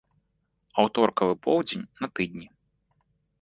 Аўторкавы поўдзень на тыдні.